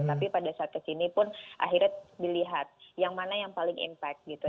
tapi pada saat kesini pun akhirnya dilihat yang mana yang paling impact gitu